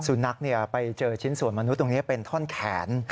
สุนัขไปเจอชิ้นส่วนมนุษย์ตรงนี้เป็นท่อนแขน